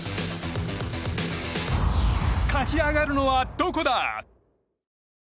勝ち残るのはどこだ？